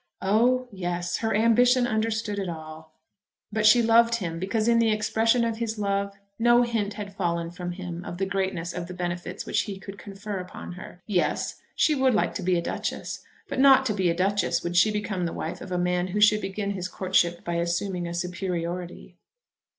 Oh yes; her ambition understood it all! But she loved him, because in the expression of his love no hint had fallen from him of the greatness of the benefits which he could confer upon her. Yes, she would like to be a Duchess; but not to be a Duchess would she become the wife of a man who should begin his courtship by assuming a superiority.